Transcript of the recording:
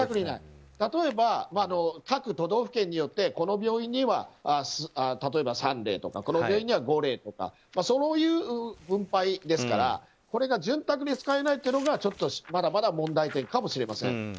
例えば、各都道府県によってこの病院には３例とかこの病院には５例とかそういう分配ですからこれが潤沢に使えないというのがちょっとまだまだ問題点かもしれません。